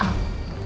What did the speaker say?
saya mau pergi